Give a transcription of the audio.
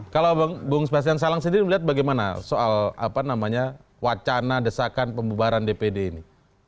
kalau bung sebastian salang sendiri melihat bagaimana soal wacana desakan pembubaran dpd ini